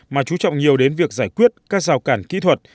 mà chú trọng nhiều đến việc giải quyết các rào cản kỹ thuật